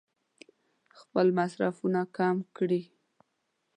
خپل مصرفونه کم کړي.